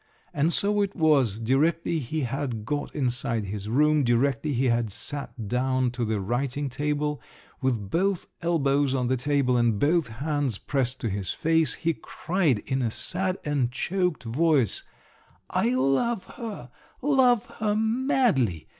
And so it was; directly he had got inside his room, directly he had sat down to the writing table, with both elbows on the table and both hands pressed to his face, he cried in a sad and choked voice, "I love her, love her madly!"